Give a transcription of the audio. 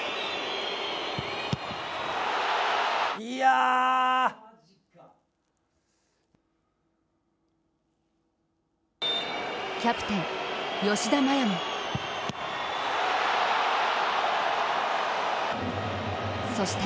いやキャプテン・吉田麻也もそして。